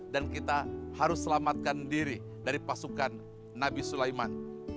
dan kita harus selamatkan diri dari pasukan nabi sulaiman